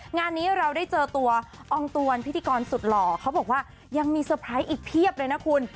งานนี้เราได้เจอตัวอองตวนพิธีกรสุดหล่อเขาบอกว่ายังมีเซอร์ไพรส์อีกเพียบเลยนะคุณ